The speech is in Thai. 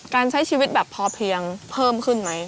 ใช้ชีวิตแบบพอเพียงเพิ่มขึ้นไหม